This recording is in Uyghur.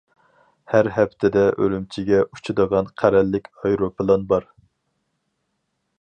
ھەر ھەپتىدە ئۈرۈمچىگە ئۇچىدىغان قەرەللىك ئايروپىلان بار.